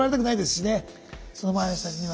その周りの人たちには。